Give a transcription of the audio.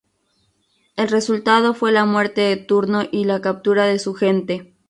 El resultado fue la muerte de Turno y la captura de su gente.